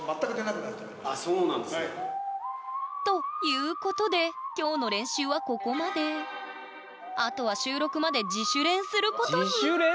あそうなんですね。ということで今日のあとは収録まで自主練することに自主練？